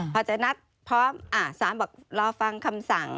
พอจะนัดพร้อมสารบอกรอฟังคำสั่ง